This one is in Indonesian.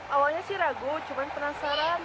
awalnya sih ragu cuman penasaran